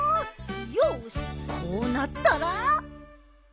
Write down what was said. よしこうなったら。